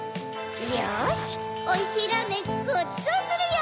よしおいしいラーメンごちそうするよ！